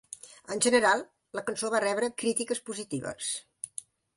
En general, la cançó va rebre crítiques positives.